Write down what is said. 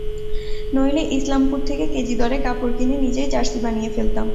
নইলে ইসলামপুর থেকে কেজি দরে কাপড় কিনে নিজেই জার্সি বানিয়ে ফেলতাম।